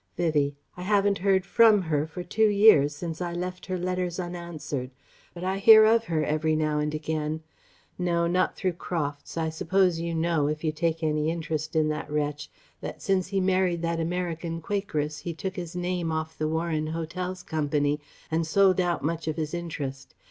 Vivie: "I haven't heard from her for two years, since I left her letters unanswered. But I hear of her every now and again. No. Not through Crofts. I suppose you know if you take any interest in that wretch that since he married the American quakeress he took his name off the Warren Hotels Company and sold out much of his interest.